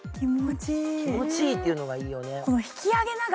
気持ちいいっていうのがいいよね。